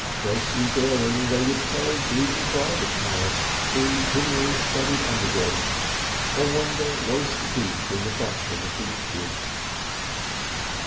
Greatly daring, they would follow green bridle paths through primrose studded undergrowths, or wander waist deep in the bracken of beech woods.